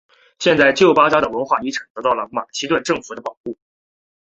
现在旧巴扎的文化遗产得到马其顿政府的保护。